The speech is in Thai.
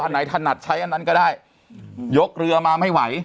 ไหนถนัดใช้อันนั้นก็ได้ยกเรือมาไม่ไหว